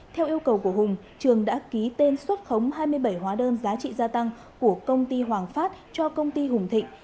theo yêu cầu của hùng trường đã ký tên xuất khống hai mươi bảy hóa đơn giá trị gia tăng của công ty hoàng phát cho công ty hùng thịnh